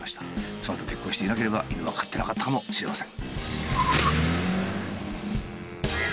妻と結婚していなければ犬は飼ってなかったかもしれません。